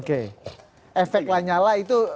efek lanyala itu